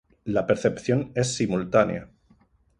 La percepción es simultánea.